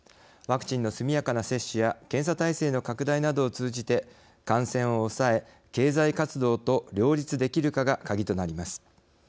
ワクチンの速やかな接種や検査体制の拡大などを通じて感染を抑え経済活動と両立できるかがカギとなります。